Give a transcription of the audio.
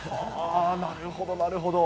なるほど、なるほど。